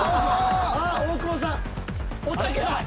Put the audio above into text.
大久保さんおたけだ。